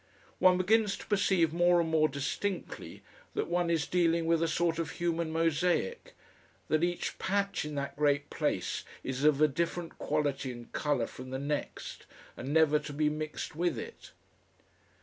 One begins to perceive more and more distinctly that one is dealing with a sort of human mosaic; that each patch in that great place is of a different quality and colour from the next and never to be mixed with it.